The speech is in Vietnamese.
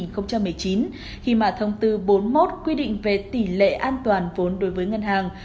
khi mà thông tư bốn mươi một quy định về tỷ lệ an toàn vốn đối với ngân hàng